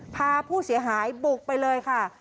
พาผู้เสียหายบุกไปเลยค่ะ